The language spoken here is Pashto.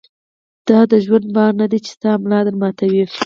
دا د ژوند بار نه دی چې ستا ملا در ماتوي.